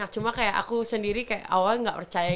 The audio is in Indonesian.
cuma kayak aku sendiri kayak awal gak percaya